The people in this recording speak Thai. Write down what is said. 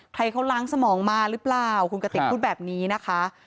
ใครเขาล้างสมองมาหรือเปล่าคุณกติกพูดแบบนี้นะคะ